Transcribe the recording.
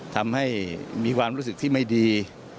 ทำให้มีความรู้สึกที่ไม่ดี